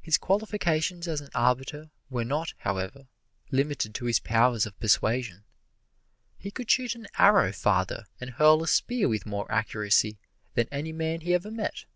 His qualifications as an arbiter were not, however, limited to his powers of persuasion he could shoot an arrow farther and hurl a spear with more accuracy than any man he ever met.